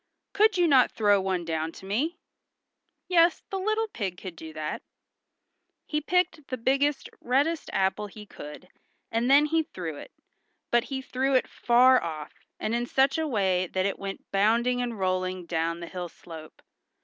"Could you not throw one down to me?" Yes, the little pig could do that. He picked the biggest, reddest apple he could, and then he threw it, but he threw it far off, and in such a way that it went bounding and rolling down the hill slope.